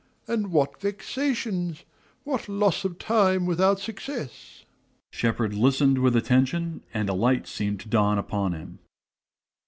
And what vexations! what loss of time without success! (_Shepard listened with attention, and a light seemed to dawn upon him.